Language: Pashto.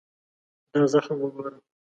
دا زخم وګوره.